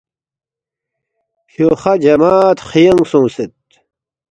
فیوخہ جماد خیانگ سونگسید